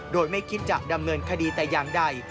โดยไม่คิดจะดำเนินคดีแต่อย่างใด